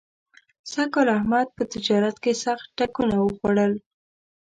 سږ کال احمد په تجارت کې سخت ټکونه وخوړل.